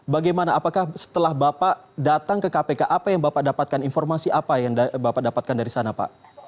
bagaimana apakah setelah bapak datang ke kpk apa yang bapak dapatkan informasi apa yang bapak dapatkan dari sana pak